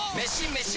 メシ！